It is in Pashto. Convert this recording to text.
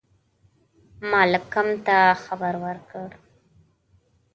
مالکم ته خبر ورکړ.